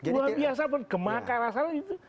luar biasa pun gemak rasanya itu